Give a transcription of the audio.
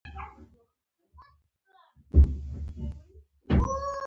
اوښ ټوډه ووهله او دوو کسانو جوال ته اوږې ورکړې.